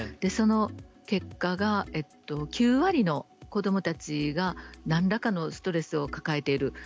その結果が９割の子どもたちが何らかのストレスを抱えている。